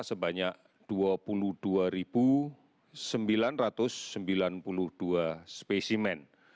sebanyak dua puluh dua sembilan ratus sembilan puluh dua spesimen